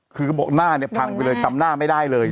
คือเขาบอกหน้าเนี่ยพังไปเลยจำหน้าไม่ได้เลย